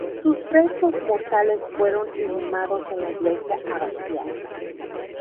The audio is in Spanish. Sus restos mortales fueron inhumados en la iglesia abacial.